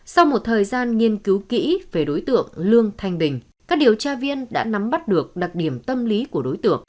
sau một thời gian nghiên cứu kỹ về đối tượng lương thanh bình các điều tra viên đã nắm bắt được đặc điểm tâm lý của đối tượng